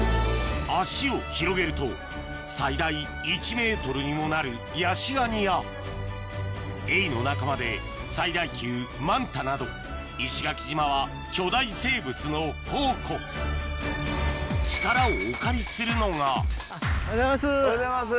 足を広げると最大１ｍにもなるエイの仲間で最大級マンタなど石垣島は巨大生物の宝庫力をお借りするのがおはようございます！